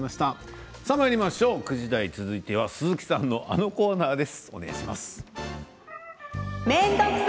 ９時台続いては鈴木さんのあのコーナーです。